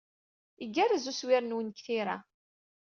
Igerrez uswir-nwen deg tira.